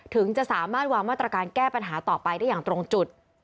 ถึงจะสามารถวางมาตรการแก้ปัญหาต่อไปได้อย่างตรงจุด